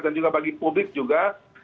dan juga bagi publik juga